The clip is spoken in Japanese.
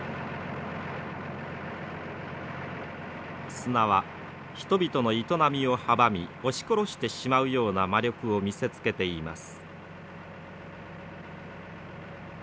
砂は人々の営みを阻み押し殺してしまうような魔力を見せつけています。